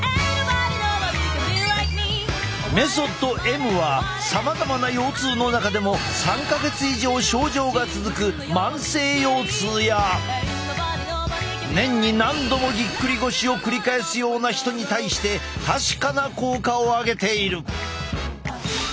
メソッドＭはさまざまな腰痛の中でも３か月以上症状が続く慢性腰痛や年に何度もぎっくり腰を繰り返すような人に対して確かな効果を上げている。